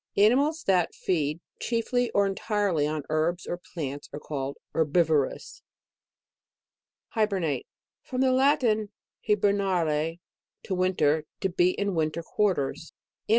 Animals that feed chiefly, or entirely on herbs or plants, are herbivorous. HIBERNATE. .From the Latin, hiber nare, to winter, to be in winter quarters. Anim.